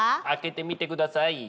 開けてみてください。